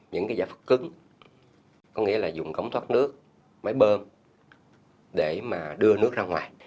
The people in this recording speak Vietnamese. những cái giải pháp cứng có nghĩa là dùng cống thoát nước máy bơm để mà đưa nước ra ngoài